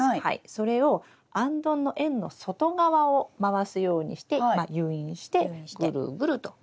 それをあんどんの円の外側を回すようにして誘引してぐるぐると。